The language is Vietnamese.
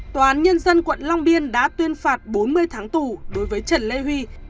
tòa án nhân dân quận long biên đã tuyên phạt bốn mươi tháng tù đối với trần lê huy